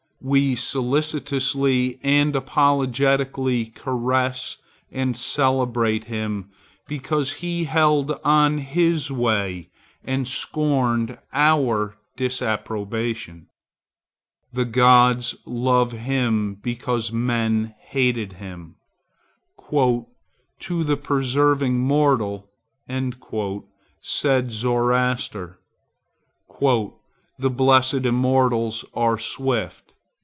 We solicitously and apologetically caress and celebrate him because he held on his way and scorned our disapprobation. The gods love him because men hated him. "To the persevering mortal," said Zoroaster, "the blessed Immortals are swift."